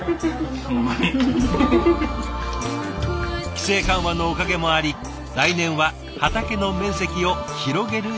規制緩和のおかげもあり来年は畑の面積を広げる予定だとか。